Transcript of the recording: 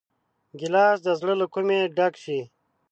ګیلاس د زړه له کومي ډک شي.